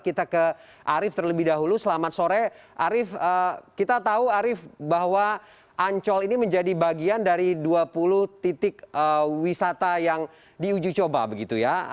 kita ke arief terlebih dahulu selamat sore arief kita tahu arief bahwa ancol ini menjadi bagian dari dua puluh titik wisata yang diuji coba begitu ya